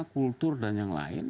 kultur dan yang lain